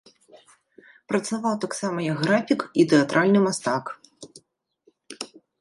Працаваў таксама як графік і тэатральны мастак.